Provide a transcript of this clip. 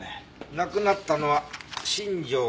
亡くなったのは新庄和子さん。